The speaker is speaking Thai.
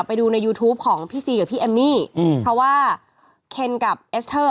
ไปดูในยูทูปของพี่ซีกับพี่เอมมี่อืมเพราะว่าเคนกับเอสเตอร์